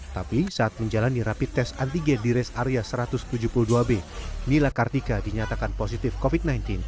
tapi saat menjalani rapid test antigen di res area satu ratus tujuh puluh dua b nila kartika dinyatakan positif covid sembilan belas